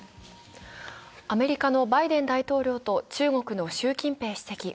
アメリカのバイデン大統領と中国の習近平主席。